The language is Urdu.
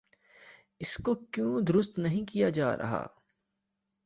اس کو کیوں درست نہیں کیا جا رہا؟